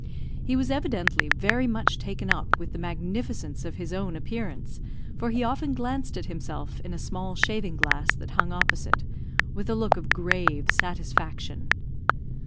He was evidently very much taken up with the magnificence of his own appearance, for he often glanced at himself in a small shaving glass that hung opposite, with a look of grave satisfaction.